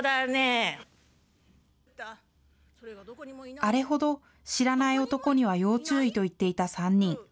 あれほど知らない男には要注意と言っていた３人。